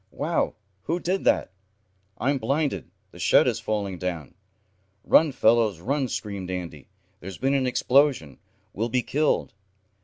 "Wow! Who did that!" "I'm blinded! The shed is falling down!" "Run fellows, run!" screamed Andy. "There's been an explosion. We'll be killed!"